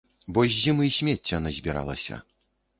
Бо з зімы смецця назбіралася.